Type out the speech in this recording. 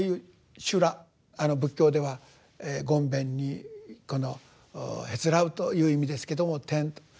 あの仏教では「ごんべん」に「へつらう」という意味ですけども「諂」。